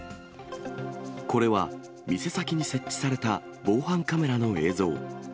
これは、店先に設置された防犯カメラの映像。